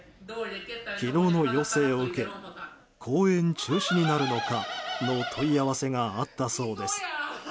昨日の要請を受け公演中止になるのかとの問い合わせがあったそうです。